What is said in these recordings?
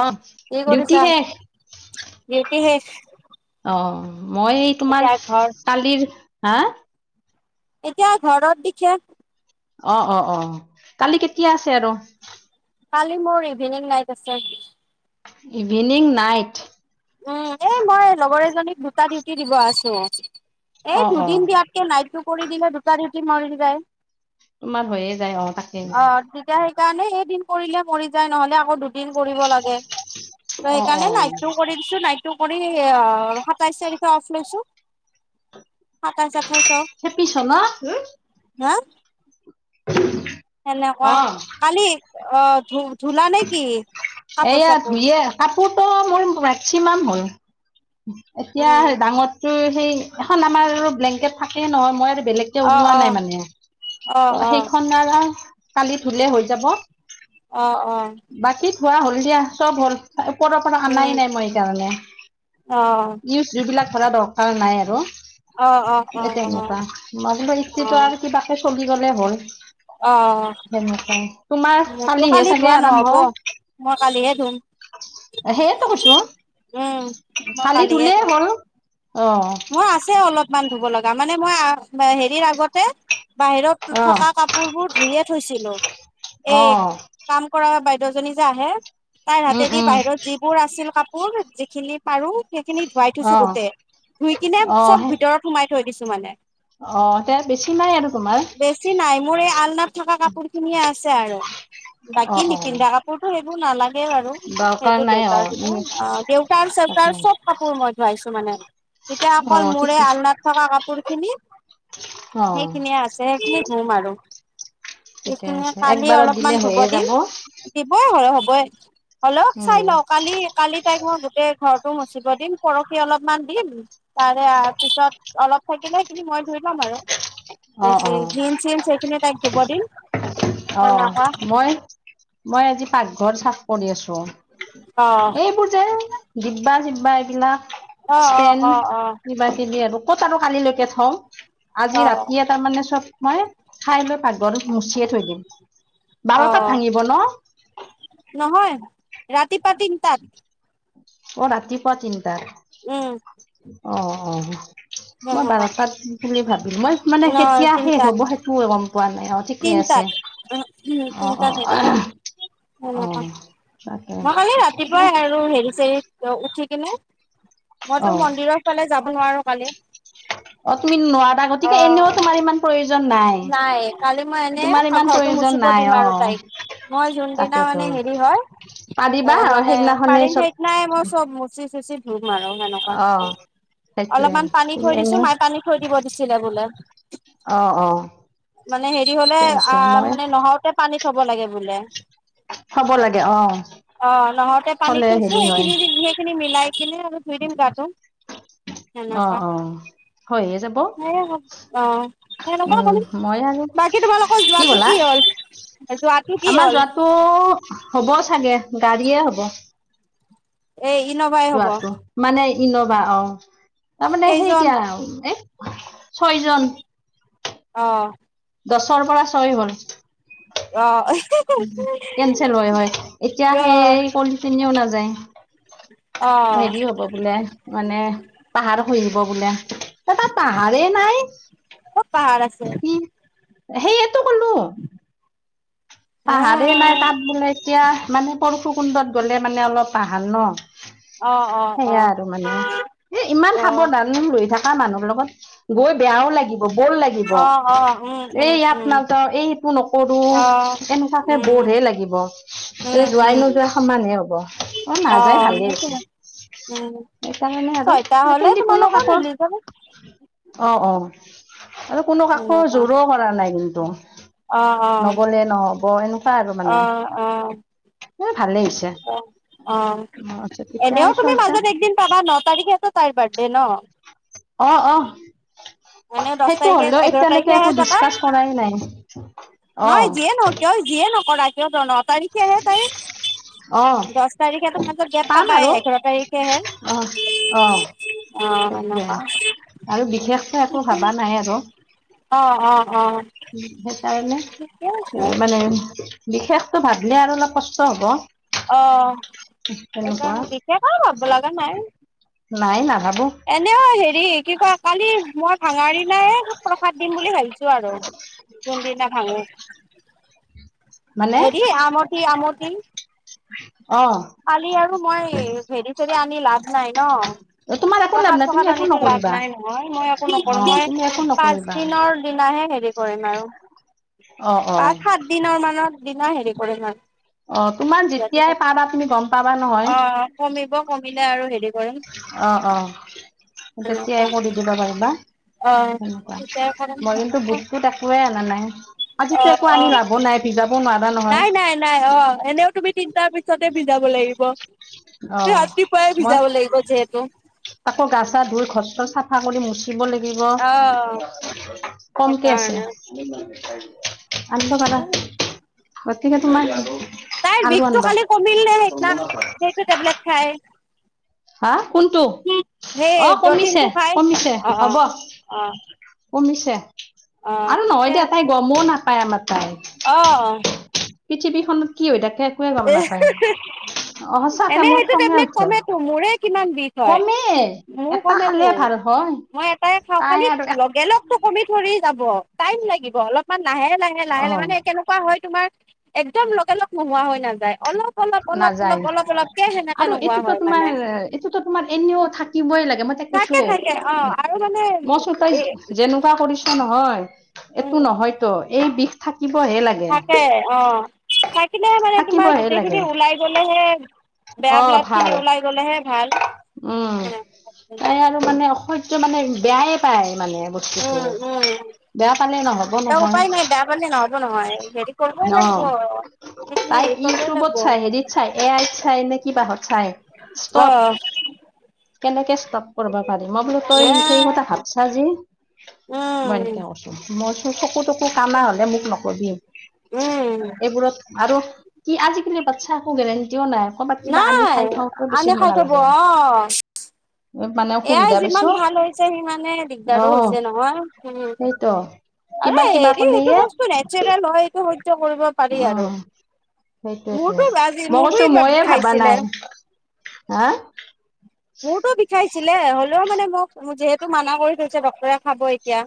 অ কি ডিউটি কৰিছা? শেষ, ডিউটি শেষ অ। মই এই এতিয়া তোমাৰ ঘৰ কালিৰ, হা? এতিয়া ঘৰত দিশে। অ অ অ কালি কেতিয়া আছে আৰ? কালি মোৰ ইভিনিং নাইত আছে। Evening night. উম এ মই লগৰ এজনীক দুটা ডিউটি দিব আছো। অ এই, অ দুদিন দিয়াতকে, নাইটটো কৰি দিলে, দুটা ডিউটি মৰি যায়। তোমাৰ হৈয়ে যায়, অ'! তাকেই। কাৰণে এদিন কৰিলে মৰি যায় নহলে আকৌ দুদিন কৰিব লাগে ত অ অ সেইকাৰণে নাইটটো। কৰি নাইটটো কৰি আহ সাতাইশ তাৰিখে অফ লৈছো। সাতাইশ আঠাইশ অফ খেপি ছ ন। হা সেনেকুৱা অ কালি অ ধুম। ধুলা নে কি কাপোৰ চাপোৰ ফট' মোৰ মেক্সিমাম হ'ল এতিয়া উম, ডাঙৰটো। সেই এখন আমাৰ আৰু ব্লেংকেট থাকেই নহয় মই আৰু। বেলেগকে অ', ওলোৱা নাই অ', মানে। অ', ত' অ'। সেইখন [unintelligible] কালি ধুলে হৈ যাব। অ', অ', বাকী, ধোৱা হ'ল দিয়া, চব হ'ল। ওপৰ পৰা অনাই উম, নাই, মই সেইকাৰণে। অ', নিউজ যিবিলাক ধৰা, দৰকাৰ নাই আৰু। অ', অ', এ, অ', অ', তেনেকুৱা। মাজতে, ইস্তিটো আৰু কিবাকে চলি ল'লে হ'ল। সেনেকুৱাই, তোমাৰ মোৰতো কালিহে কালি চাগে ধোৱা আৰম্ভ নহ'ব, মই কালিহে ধোম। সেইটো কৈছোঁ, মই কালি কালিহে ধুলে ধুম। হ'ল। অ'! মান ধুব লগা মানে মই হেৰিৰ আগতে। বাহিৰত অ থকা কাপোৰ বোৰ ধুইয়ে থৈছিলো অ এই কাম কৰ বা ছোৱালিজনী যে আহে তাই উম হাতেদি উম বাহিৰত যিবোৰ আছিল কাপোৰ যিখিনি পাৰো। সেইখিনি ধোৱাই থৈছো অ গোটেই ধুই কিনে অ চব সেই ভিতৰত সোমাই থৈ দিছো মানে। অ তে বেছি নাই আৰু তোমাৰ বেছি নাই মোৰ এই আলনাত থকা কাপোৰ খিনিয়ে আছে। দিছে আৰু। অ বাকী অ নিপিন্ধা কাপোৰতো সেইবোৰ নালাগে বাৰু দৰকাৰ সেইটো নাই অ দেউতাৰ যিটো উম অ দেউতাৰ চ তাৰ তাকে চব কাপোৰ মই ধুৱাইছো মানে। এতিয়া অ অকল ঠিক মোৰে আলনাত থকা কাপোৰ খিনি অ সেইখিনিয়ে আছে। দিম আৰু ঠিকে এইখিনিয়ে আছে কালি একবাৰত অলপমান দিলে ধোব হৈয়ে দিম যাব দিবই হ'ব। অলপ চাই উম লওঁ কালি কালি তাইক মই গোটেই ঘৰতো মচিব দিম পৰহি অলপমান। দিম তাৰে পিছত অলপ থাকিলে সেইখিনি মই ধুই লম বাৰু। অ অ বেছি জিনচ চিনছ সেইখিনি তাইক ধোব দিম। অ তেনেকুৱা মই মই আজি পাকঘৰ চা কৰি আছো অ এইবোৰ যে দিব্বা চিব্বা এইবিলাক। অ অ ষ্টেন অ কিবা কিবি আৰু ক'ত আৰু কালিলৈকে থওঁ আজি অ অ ৰাতি। তাৰ মানে চব মই খাই লৈ পাগলত মুচিয়ে থৈ দিম অ বাৰটাত ভাঙিব ন। নহয় ৰাতিপুৱা তিনটাত। অ ৰাতিপুৱা তিনিটাত। উম। অ অ। মই তেনেকুৱা বাৰটাত বুলি ভাবিলো মই মানে ন কেতিয়া শেষ হ'ব সেইটো গম পোৱা নাই অ ঠিকে। তিনিটা আছে উম উম অ তিনিটাত শেষ অ অ হ'ব। তাকে মই কালি ৰাতি। ৰাতিপুৱাই আৰু হেৰি চেৰিত উঠি কিনে অ মইতো মন্দিৰৰ ফালে যাব নোৱাৰো। কালি অ তুমি নোৱাৰা অ গতিকে এনেও তোমাৰ ইমান প্ৰয়োজন। নাই কালি মই এনেই তোমাৰ ইমান ঘৰটো প্ৰয়োজন মুচিব নাই দিম অ আৰু তাইক। মই যোনদিনা তাকেতো মানে হেৰি হয় পাৰিবা এ অ মানে সেইদিনাখনে পাৰিম চব সেইদিনাই মই চব মুচি। চুচি ধুম আৰু সেনেকুৱা। অ সেইটোৱে অলপমান পানী তুমি থৈ দিছো এনে মায়ে পানী থৈ দিব দিছিলে বোলে। অ অ মানে হেৰি হলে ঠিকে আ আছে মই মানে নহঁওতেই পানী থব লাগে বোলে। থব লাগে অ অ নহওঁতে পানী থলে থৈছো হেৰি হয় সেইখিনি সেই খিনি মিলাই এনে আৰু ধুই দিম গাটো। অ সেনেকুৱা অ হৈয়ে যাব সেই অ সেনেকুৱা। উম কৰিম মই আৰু বাকী তোমালোকৰ কি যোৱাটো ক'লা। কি হ'ল যোৱাটো কি আমাৰ হ'ল যোৱাটো হ'ব চাগে গাড়ীয়ে হ'ব। এই ইন'ভাই হব তোৱাটো মানে ইন'ভা অ' তাৰমানে সেই কেইজন এতিয়া এই ছয়জন অ'। দছৰ পৰা চই অ [unintelligible] কেনচেল হয় হয় এতিয়া অ সেই কলিচিনীও নাযায়। অ হেৰি হ'ব বোলে মানে পাহাৰ খহিব বোলে। এ তাত পাহাৰে নাই ক'ত পাহাৰ আছে কি? সেইটো কলো। হে পাহাৰ নাই তাত বোলে এতিয়া মানে পৰশু কুণ্ডত গ'লে মানে অলপ পাহাৰ ন। অ অ অ সেয়া আৰু মানে এ ইমান অ সাৱধান লৈ থাক ক মানুহৰ লগত গৈ বেয়াও লাগিব। বৰ লাগিব, অ', অ', উম, এ উম, ইয়াত উম, নাযাওঁ এই এইটো নকৰো। অ'। এনেুৱাকে উম, বৰহে লাগিব। এই উম, যোৱাই উম, নোযোৱাই সমানে হব, আ নাযায় অ', ভালেই হৈছে। সেইটোৱে উম। সেইটা কাৰণে আৰু ছয়টা হ'লে কুন্দি কোনো তোমালোকৰ কাকৌ মিলি যাব অ' অ' আৰু কোনো কাকো তেনেকুৱা জোৰো কৰা নাই কিন্তু। অ' অ'। নব এনেকুৱা আৰু মানে, অ', এ ভালেই হৈছে। অ' অ' এতিয়া এনেও আৰু তুমি ছয়টা মাজত একদিন পাবা ন তাৰিখেত তাই বাৰ দে ন? অ' অ'। এনেও দহ সেইটো তাৰিখে হলেও এঘাৰ এতিয়ালৈকে একো তাৰিখেহে যাবা। ডিচকাছ কৰাই নাই, অ'। ক ত ন তাৰিখে তাই। অ দহ তাৰিখেতো মাজত গেট পাম পাবাই আৰু এঘাৰ তাৰিখেহে। অ অ অ' সেইটোৱে পাম। আৰু বিশেষকে একো ভবা নাই আৰু, অ', অ', অ', সেইকাৰণে ঠিকে আছে এ মানে বিশেষতটো ভাবিলে আৰু অলপ কষ্ট হ'ব। অ' তেনেকুৱা সেইকাৰণে বিশেষ আৰু ভাব লগা নাই। নাই না এনেও হেৰি কি কয় কালি মই ভাঙাৰ দিনাই প্ৰসাদ দিম বুলি ভাবিছো। আৰু কোনদিনা ভাঙো, মানে হেৰি আমঠি আম কি। অ কালি আৰু মই হেৰি চেৰি আনি লাভ নাই ন। তোমাৰ একো লাভ প্ৰসাদ নাই তুমি চসাদ একো আনো লাভ নকৰিবা নাই নহয় মই একো অ নকৰো মই তুমি একো নকৰিবা পাঁচদিনৰ দিনাহে হেৰি কৰিম আৰু, অ অ পাঁচ সাত দিনৰ মানৰ দিনা হেৰি কৰিম আৰু। অ' তোমাৰ যেতিয়াই পাবা তুমি গম পাবা নহয়। অ কমিব কমিলে আৰু হেৰি কৰিম অ' অ' তেতিয়াই এনেকুৱা। কৰি দিবা পাৰিবা। অ সেনেকুৱা তেতিয়া কৰিম মই কিন্তু বুটুত একোৱে অনা নাই। অ আজিতো একো আনি অ। লাভ নাই পিত নাই নাই নাই অ' এনেও তুমি তিনটাৰ পিছতে ভিজাব লাগিব। অ' ৰাতিপুৱাই মই, ভিজাব লাগিব যিহেতু তাকৌ গা চা ধুই ঘছ তছ চাফা কৰি ম থ দিব লাগিব, অ কমকে আছে। সেইকাৰণে আন্ত কৰা গতিকে তোমাৰ তাইৰ আৰু বিষটো আনিবা। খালি কমিল নে সেইদিনা সেইটো টেবলেট খাই। হা। কোনটো সেই অ', কমিছে, প্ৰটিনটো খাই কমিছে, অ অ হ'ব অ কমিছ। তে, অ আৰু নহয় ঠিকে দিয়া, তাই আছে গমোও নাপায় আমাৰ তাই অ'। পৃথিৱীখনত কি হৈ থাকে, একোৱে গম নাপায়। অ', এনে সঁচাকে মোৰ সেইটো খঙে টেবলেট উঠে। কমেতো মোৰে কিমান বিষ হয়? কমে মোৰ এটা কমেতো খালে ভাল হয় মই এটাই খাওঁ তাই খালি আৰু লগে লগতটো কমি ধৰি ল অল অ লানে কেনেকুৱা হয় তোমাৰ, একদম লগা লগ নোহোৱা হৈ নাযায়, অলপ অলপ অলপ নাযায়, অলপ অলপ অলপকে সেনেকে আৰু নোহোৱা এইটোতো হয় তোমাৰ মানে এইটোতো তোমাৰ এনেও থাকিবই লাগে। থাকে কৈছো থাকে অ আৰু মানে মই, চো এ তই যেনেকুৱা কৰিছ নহয়। এইটো উম নহয়তো এই বিষ থাক থাকে অ'। [unintelligible] মানে তোমাৰ, থাকিবহে গোটেই লাগে খিনি ওলাই গ'লেহে অ', ভাল ভাল উম, তাই আৰু মানে অসৈ টো মানে বেয়াই পায়। মানে বস্তুটো উম উম বেয়া পালে নহ'ব নহয়। ৰাতিপুৱাবয় লাগিব। সেইখিনি তাই হেৰি কৰিবই ইউটিউবত লাগিব চাই, হেৰিত চাই, এ আইত চাই নে, কিবাহত চাই। ষ্টপ অ কেনেকে চব কৰিব পাৰি, মই বোলো তই সেইমতে উম, ভাবছা যে, মই এনেকে কছো। মই চকু-তকু কানা হ'লে মোক নকবি। উম, এইবোৰত আৰু কি আজিকালি বাচ্ছা [unintelligible] কৰ'বাত কিবা আনি নাই, খাই থাকোতেও বেছি আনি সময় খাই থাকো নালাগে অ'। মানে এয়াই অসুবিধা যিমান পাইছো ভাল হৈছে, সিমানে অ দিগদাৰো হৈছে নহয়। উম। সেইটো আৰু কিবা কিবা হেৰি এইটো কৰিলেয়ে বস্তু নেচাৰেল হয়, এইটো সহ্য কৰিব অ পাৰি আৰু। সেইটোয়েতো, মোৰতো আজি মই মোৰতো কৈছোঁ, মইয়ে ভাবা বিষাইছিলে নাই। হা মোৰতো বিষাইছিলে, হ'লেও মানে মোক যিহেতু মানা কৰি থৈছে ডক্তৰে। খাব এতিয়া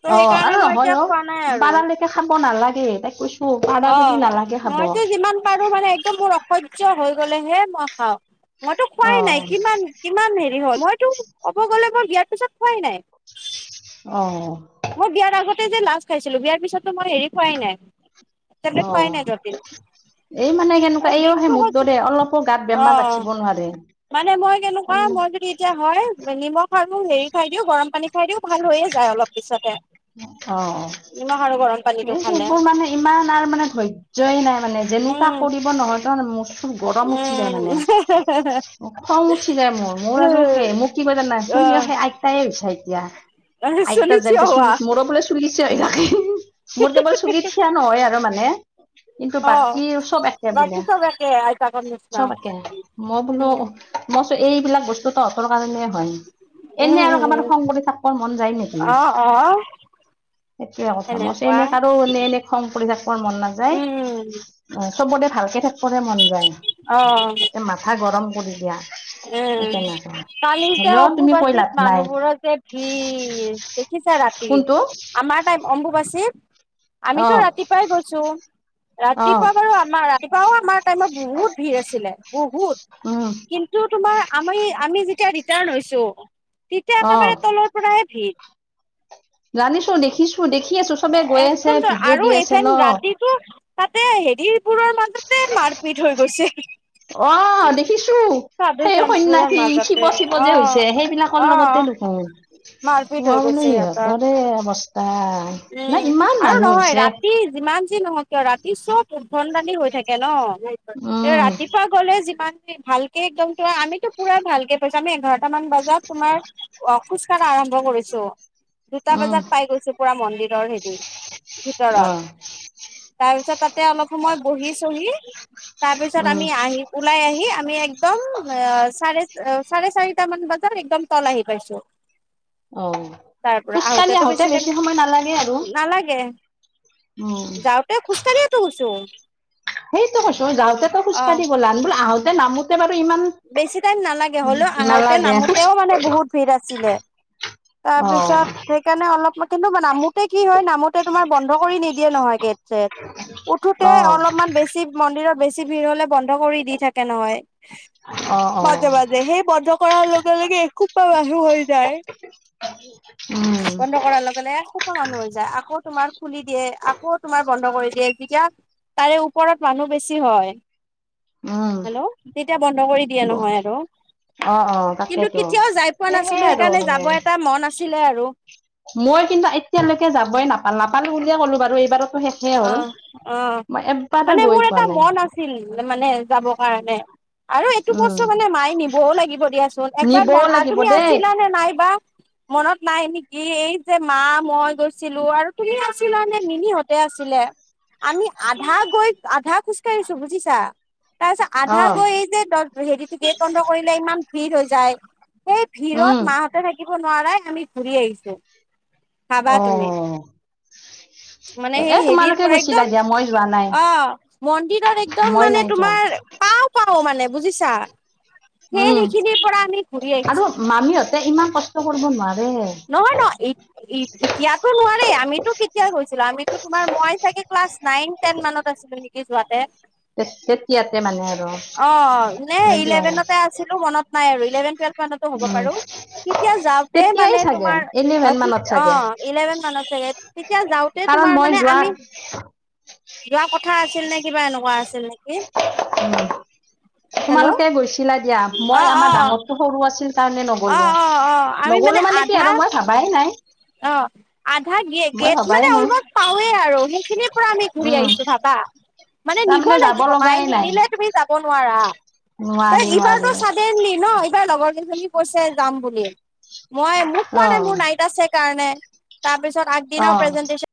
ত' অ', সেইকাৰণে আৰু মই নহয় এতিয়া অ', খোৱা নাই আৰু পাৰালৈকে খাব নালাগে, তাই কৈছোঁ। অ', মইতো যিমান পাৰো মানে, একদম মোৰ অসহ্য হৈ গলেহে মই খাওঁ। মইতো খোৱাই, নাই কিমান, কিমান হে হ'ল মইতো ক'ব গলে, মই বিয়াৰ পিছত খোৱাই নাই। অ'। মই বিয়াৰ আগতে যে লাষ্ট খাইছিলোঁ, বিয়াৰ পিছতটো মই হেৰি খোৱাই নাই। ততে অ ফাই নাই যে [unintelligible] এই মানে কেনেকুৱা, এইয় সে মুুদ্ৰৰে [unintelligible] অলপো গাত অ বেমাৰ ৰাখিব নোৱাৰে। মানে মই কেনেকুৱা, তাৰমানে মই যদি এতিয়া হয় নিমখ আৰু হেৰি খাই দিও, গৰম পানী খাই দিওঁ, ভাল হৈয়ে যায় অলপ। পিছতে, অ অ ই আৰু [unintelligible] এই, খালে সেইবোৰ মানে ইমান আৰু মানে ধৈৰ্যয়ই নাই মানে, যেনেকুৱা উম। কৰিব [unintelligible] নহয় মোৰ খব গৰম উঠি যায় উম মানে। খং উঠি যায় মোৰ, মোৰ আৰু সেই মোক কি কয় জানা কি সেই আইতায়ে হৈছে এতিয়া [unintelligible] অ চলি আইতাৰ থিয় যেনেক হোৱা চুলি মূৰৰ বুলি শু [unintelligible] মোৰ কেৱল চুলি থিয়া নহয় আৰু মানে। কিন্তু অ। বাকী চব একে বাকী বোলে, চব একে আইতাকৰ নিচিনা চব একে, মই বোলো উম মইটো এইবিলাক বস্তু তহঁতৰ কাৰণে হয়, এনে উম আৰু উম কাৰোবাক খং কৰি অ ', মন যায় নেকি? অ' [inaudible] সেইটোে কথা মই সেনেকুৱা এনে আৰু এনে এনে খং কৰি থাকিবৰ মন নাযায় উম চবতে ভালকে থাকিবৰে মণিবাই অ' তাতে মাথা গৰম কৰি দিয়া সেই উম তেনেকুৱা কালিতে হলেও অ্বু তুমি কৈ আচিত লাভ নাই মানুহবোৰ যে কি দেখিছা ৰাতি কোনটো আমাৰ তটাই অম্বুপাচী অ আমিতো ৰাতিপুৱাই গৈছো অ ৰাতিপুৱা বাৰু আমাৰ ৰাতিপুৱাও আমাৰ টাইমত বহুত ভিৰ আছিলে বহুত উম কিন্তু াৰ আম আমি যেতিয়া ৰিটাৰ্ণ হৈছো তেতিয়া অ একেবাৰে তলৰ পৰায় ভিৰ জানিছোঁ, দেখিছোঁ। চবে [unintelligible] একদম আৰু আছে এইফন ন ৰাতিটো, তাতে হেৰিবোৰৰ মাজতে মাৰপিট হৈ গৈছে। অ', দেখিছোঁ, সাধু সেই চান্তবোৰৰ সন্যাসী শিৱ, মাজতে শিৱ অ যে হৈছে সেইবিলাকৰ অ লগতে। ক মাৰপিট কোৱা হৈ বোলো গৈছে ই হ ক সিহঁতৰ দে অৱস্তা [unintelligible] উম, আৰু নহয় ৰাতি ইমান যি নহক, কিয় ৰাতি চব উভণ্ দালি হৈ থাকে ন', উম ৰাতিপুৱা গ'লে যিমান ভালকে একদম তো আমিতো পুৰা ভালকে পাইছো আমি এঘাৰটা মান বজাত তোমাৰ অ খোজ কঢ়া আৰম্ভ কৰিছো দুটা উম বজাত পাই গৈছো পুৰা মন্দিৰৰ হেৰি অ ভিতৰত তাৰপিছত তাতে অলপ সময় বহি চহি তাৰপিছত উম আমি আহি ওলাই আহি আমি একদম চাৰে চাৰে চাৰিটা মান বজাত একদম তল আহি পাইছো অ তাৰ পৰা খোজকাঢ়ি আহোতেতটো আহোতে বেছি াইম সময় নালাগে আৰু নালাগে উম যাওঁতে খোজকাঢ়িয়াতো গুছো সেইটো কছো মই যাওঁতেো খোজকাঢ়িব'ল আন বোল আহোতে নামোতে ইমান বেছি টাইম নালাগে হ'লেও আহোতে নালাগে খোজ নামোতেও মানে বহুত ভিৰ আছিলে অ তাৰপিছত সেইকাৰণে অলপ কিন্তু মান মু তে কি হয় নামতে তোমাৰ বন্ধ কৰি নিদিয়ে নহয় গেট চছেট উঠোতে অ অলপমান বেছি মন্দিৰত বেছি ভিৰ হলে বন্ধ কৰি দি থাকে নহয় অ অ মাজে মাজে সেই বন্ধ কৰাৰ লগে লগে এসো প্ৰাবাহু হৈ যায় উম বন্ধ কৰাৰ লগে লগেোটা মানুহ হৈ যায় আকৌ তোমাৰ খুলি দিয়ে আকৌ তোমাৰ বন্ধ কৰি দিয়ে যেতিয়া তাৰে ওপৰত মানুহ বেছি হয় উম হেল্ল' তেতিয়া বন্ধ কৰি এয়া নহয় আৰু অ অ কিন্তু তাকেইতো কেতিয়াও যাই পোৱা এ সেই নাছিলো আৰু সেইকাৰণে মানে যাব এটা মন আছিলে আৰু মই কিন্তু এতিয়ালৈকে যাবই নাপা নাপালো বুলিয়ে ক'লো বাৰু এইবাৰত আহ আহ এবাৰো মানে গৈ মোৰ পোৱা এটা নাই মন আছিল মানে যাব কাৰণে আৰু এইটো উম ক্তু মানে মাৰি নিবও লাগিব দিয়াচোন একবাৰ নিবও লাগিব তুমি দেই আছিলা নে নাইবা মনত নাই নেকি এই যে মা মই গৈছিলো আৰু তুমি আছিলা নে মিনিহঁত আছিলে আমি আধা গৈ আধা খোজকাঢ়িছো বুজিছা তাৰ পিছত অ আধা গৈ এই যে হেৰিটো গেট অন্ধ কৰিলে ইমান ভিৰ হৈ যায় সেই ভিৰত উম মাহঁতে থাকিব নোৱাৰাই আমি ঘূৰি আহিছো ভাবা অ অ তুমি মানে এ সেই হেৰিৰ তোমালোকে পৰা গৈছিলা একদম দিয়া মই যোৱা নাই অ মন্দিৰত একদম মই মানে নাই যোৱা তোমাৰ পাও পাও মানে বুজিছা সেই উম দেখিে পৰা আমি ঘূৰি আৰু আহছো মামীহঁতে ইমান কষ্ট কৰিব নোৱাৰে নহ ন এতিয়াতো নোৱোৱাৰাৰে আমিতো কেতিয়া গৈছিলো তমাৰ মই চাগ ক্লা নন টেন মত আছিলো নেকি য তেতিয়াতে মানে আৰু অ নে হয় দিয়া আৰু ইলেভেনতে আছিলো মনত নাই আৰু ইলেভেন টেলভ তো হ'ব উম পাৰো তেতিয়া যাওঁতে তেতিয়াই মানে চাগে তোমাৰ অ, ইলেভেন মানত অ চাগে ইলেভেন মান চাগে, তেতিয়া যাওঁতে কাৰণ তোমাৰ মই মানে যোৱা আমি যোৱা কথা আছিল নে কিবা এনেকুৱা আছিল। নে হেল্ল' তোমালোকে গৈছিলা দিয়া মই অ', আমাৰ অ', ডাঙৰটো সৰু আছিল, কাৰণে অ নগলো, অ অ আমি নগলো মানে কি আধা আৰু মই ভাবাই নাই। অ আধা গে মই গেট ভবাই মানে নাই অলমষ্ট পাৱওৱেই আৰু, সেইখিনিৰ পৰা আমি ঘূৰি উম আহিছো ভাবা। মানে নিব তাৰমানে যাব লাগিব। মায়ে লগাই নাই নিনিলে তুমি যাব নোৱাৰা। এ নোৱাৰি নোৱাৰি এইবাৰতো চডেনলি ন? াৰ লগৰ কেইজনী কৈছে যাম বুলি মই মোক কোৱা নাই মোৰ অ নাৰীতা চেক ণে তাৰপিছত আগদিনৰ অ প্ৰেজেন্ট